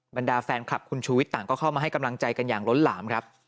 บรรดาแฟนคลับคุณชูวิทย์ต่างก็เข้ามาให้กำลังใจกันอย่างล้นหลามครับ